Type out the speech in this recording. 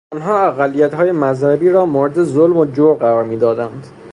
آنها اقلیتهای مذهبی را مورد ظلم و جور قرار میدادند.